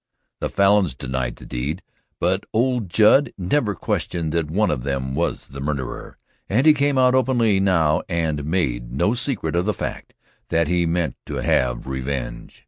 The Falins denied the deed, but old Judd never questioned that one of them was the murderer, and he came out openly now and made no secret of the fact that he meant to have revenge.